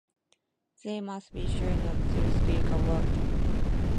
They must be sure not to speak a word.